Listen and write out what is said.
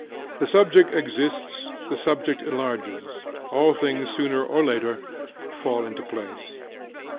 The subject exists, the subject enlarges; all things sooner or later fall into place.